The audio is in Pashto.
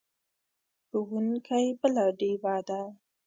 ښوونکی بله ډیوه ده.